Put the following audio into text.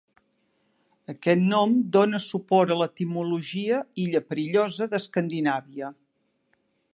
Aquest nom dona suport a l'etimologia "illa perillosa" d'Escandinàvia.